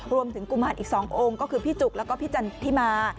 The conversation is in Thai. กุมารอีก๒องค์ก็คือพี่จุกแล้วก็พี่จันทิมา